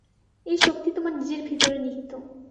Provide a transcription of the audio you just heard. এই শক্তি তোমার নিজের ভিতরে নিহিত।